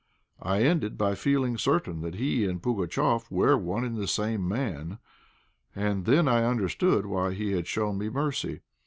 I ended by feeling certain that he and Pugatchéf were one and the same man, and I then understood why he had shown me mercy.